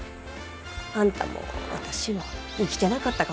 あんたも私も生きてなかったかもしれん。